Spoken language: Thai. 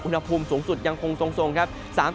อุณหภูมิสูงสุดยังคงทรงครับ